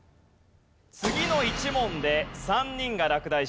次の１問で３人が落第します。